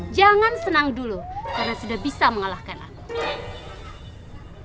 jangan senang dulu karena sudah bisa mengalahkan aku